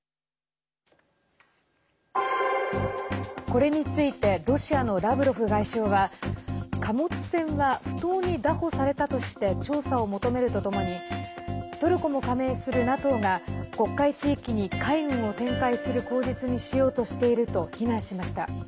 これについてロシアのラブロフ外相は貨物船は不当に拿捕されたとして調査を求めるとともにトルコも加盟するＮＡＴＯが黒海地域に海軍を展開する口実にしようとしていると非難しました。